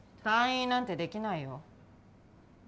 退院なんてできないよ。